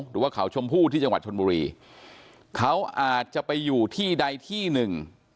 หรือว่าเขาชมพู่ที่จังหวัดชนบุรีเขาอาจจะไปอยู่ที่ใดที่หนึ่ง